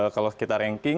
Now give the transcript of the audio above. kalau kita ranking